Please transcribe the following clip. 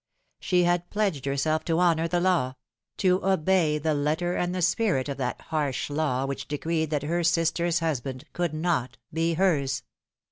She had pledged herself to honour the law ; to obey the letter and the spirit of that harsh law which decreed that her sister's husband could not be hers.